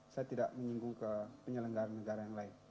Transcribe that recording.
saya tidak menyinggung ke penyelenggara negara yang lain